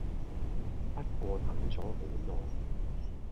不過等左好耐